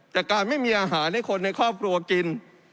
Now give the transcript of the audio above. การไม่มีอาหารให้คนในครอบครัวกิน